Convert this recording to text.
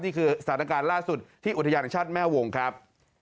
นี่คือสถานการณ์ล่าสุดที่อุทยานแห่งชาติแม่วงครับ